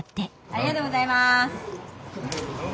ありがとうございます。